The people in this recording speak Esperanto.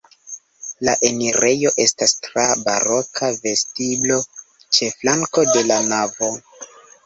La enirejo estas tra baroka vestiblo ĉe flanko de la navo.